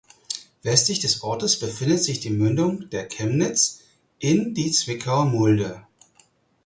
Westlich des Orts befindet sich die Mündung der Chemnitz in die Zwickauer Mulde.